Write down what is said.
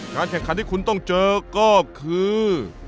แข่งขันที่คุณต้องเจอก็คือ